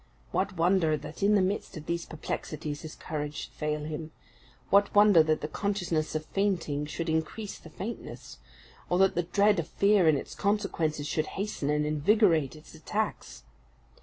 What wonder that in the midst of these perplexities his courage should fail him! What wonder that the consciousness of fainting should increase the faintness! or that the dread of fear and its consequences should hasten and invigorate its attacks!